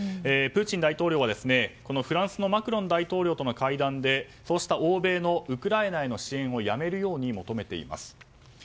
プーチン大統領はフランスのマクロン大統領との会談でそうした欧米のウクライナへの支援をやめるように求めています。